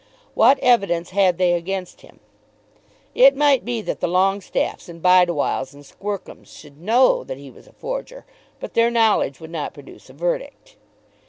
What evidence had they against him? It might be that the Longestaffes and Bideawhiles and Squercums should know that he was a forger, but their knowledge would not produce a verdict.